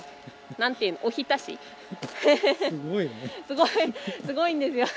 すごいんですよ。